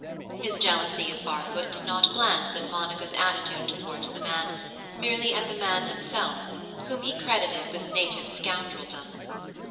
His jealousy of Barfoot did not glance at Monica's attitude towards the man; merely at the man himself, whom he credited with native scoundreldom.